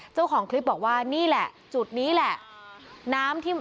เจ้าของคลิปบอกว่านี่แหละจุดนี้แหละ